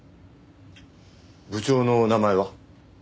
部長のお名前は？